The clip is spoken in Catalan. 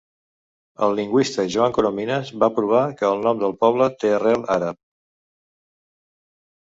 El lingüista Joan Coromines va provar que el nom del poble té arrel àrab.